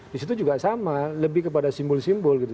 di situ juga sama lebih kepada simbol simbol gitu